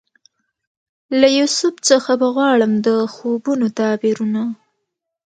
له یوسف څخه به غواړم د خوبونو تعبیرونه